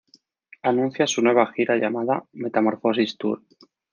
Anuncia su nueva gira llamada: Metamorfosis Tour.